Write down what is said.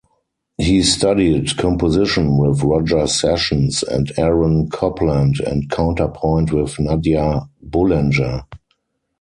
He studied composition with Roger Sessions and Aaron Copland and counterpoint with Nadia Boulanger.